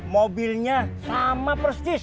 mobilnya sama persis